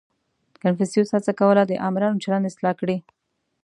• کنفوسیوس هڅه کوله، د آمرانو چلند اصلاح کړي.